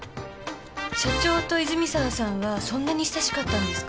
社長と泉沢さんはそんなに親しかったんですか。